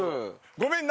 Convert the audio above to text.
ごめんな！